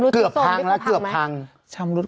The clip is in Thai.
เกือบพังแล้วก็คือเกือบพังไหม